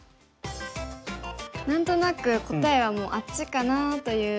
何となく答えはもうあっちかなという。